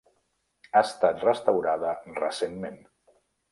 Ha estat restaurada recentment.